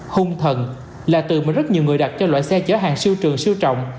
hung thần là từ mà rất nhiều người đặt cho loại xe chở hàng siêu trường siêu trọng